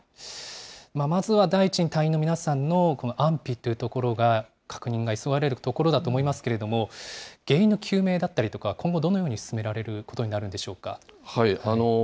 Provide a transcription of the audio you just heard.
まずは第一に隊員の皆さんの安否というところが確認が急がれるところだと思いますけれども、原因の究明だったりとか、今後どのように進められることになるんでしょうか。